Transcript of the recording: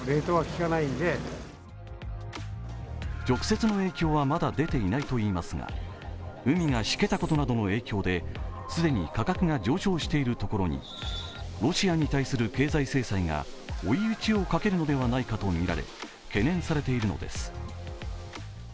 直接の影響はまだ出ていないといいますが、海がしけたことなどの影響で、既に価格が上昇しているところにロシアに対する経済制裁が追い打ちをかけるのではないかとみられ懸念されているのです。